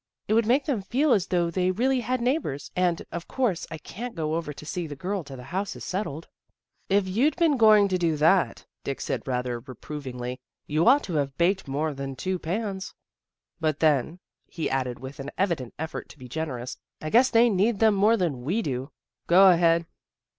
It would make them feel as though they really had neighbors, and, of course, I can't go over to see the girl till the house is settled." " If you'd been going to do that," Dick said rather reprovingly, " you ought to have baked more than two pans. But then," he added with an evident effort to be generous, " I guess they need them more than we do. Go ahead."